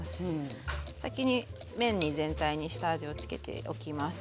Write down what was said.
先に麺に全体に下味をつけておきます。